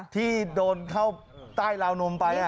ที่โดนเข้าใต้ราวนมไป